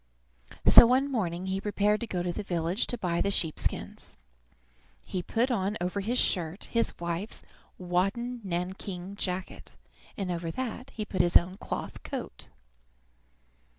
So one morning he prepared to go to the village to buy the sheep skins. He put on over his shirt his wife's wadded nankeen jacket, and over that he put his own cloth coat.